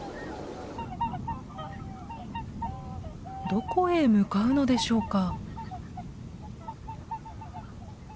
どこへ向かうのでしょうか？